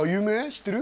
知ってる？